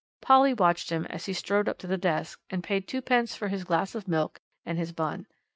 Polly watched him as he strode up to the desk, and paid twopence for his glass of milk and his bun.